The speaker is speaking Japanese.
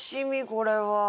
これは。